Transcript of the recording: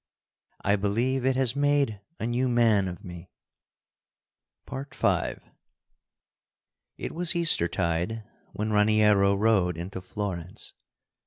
"I believe it has made a new man of me." V It was Eastertide when Raniero rode into Florence.